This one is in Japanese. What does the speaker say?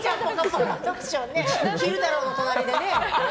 昼太郎の隣でね。